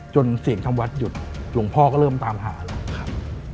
เสียงทางวัดหยุดหลวงพ่อก็เริ่มตามหาแล้วครับ